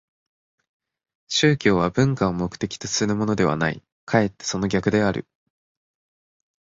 宗教は文化を目的とするものではない、かえってその逆である。